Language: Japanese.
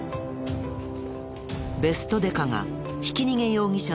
ベストデカがひき逃げ容疑者の動きを読む。